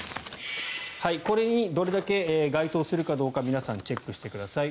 これにどれだけ該当するかどうか皆さんチェックしてください。